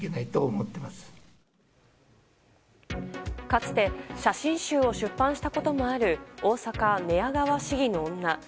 かつて写真集を出版したこともある大阪・寝屋川市議の女。